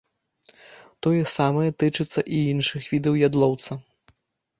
Тое самае тычыцца і іншых відаў ядлоўца.